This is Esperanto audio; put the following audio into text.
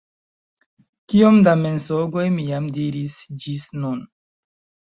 Kiom da mensogoj mi jam diris ĝis nun?